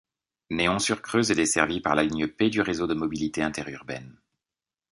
Néons-sur-Creuse est desservie par la ligne P du Réseau de mobilité interurbaine.